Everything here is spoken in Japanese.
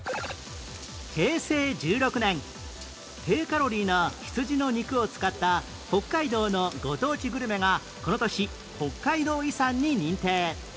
平成１６年低カロリーな羊の肉を使った北海道のご当地グルメがこの年北海道遺産に認定